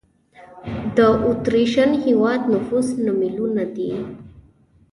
د اوترېش هېواد نفوس نه میلیونه دی.